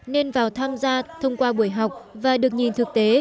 nên vào tham gia thông qua buổi học và được nhìn thực tế